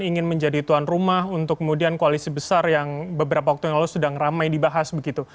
ingin menjadi tuan rumah untuk kemudian koalisi besar yang beberapa waktu yang lalu sedang ramai dibahas begitu